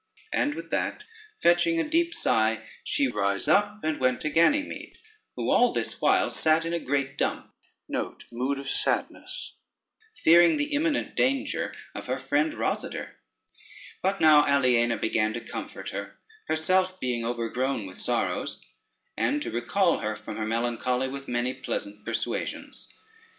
And with that fetching a deep sigh, she rise up, and went to Ganymede, who all this while sate in a great dump, fearing the imminent danger of her friend Rosader; but now Aliena began to comfort her, herself being overgrown with sorrows, and to recall her from her melancholy with many pleasant persuasions.